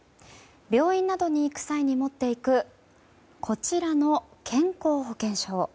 病院などに行く際に持っていくこちらの健康保険証。